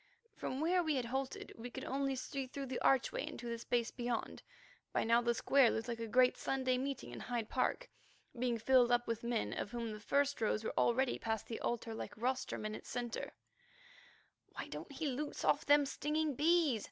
From where we had halted we could only see through the archway into the space beyond. By now the square looked like a great Sunday meeting in Hyde Park, being filled up with men of whom the first rows were already past the altar like rostrum in its centre. "Why don't he loose off them stinging bees?"